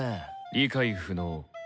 理解不能。